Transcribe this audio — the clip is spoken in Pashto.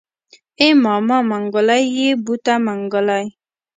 ای ماما منګلی يې بوته منګلی.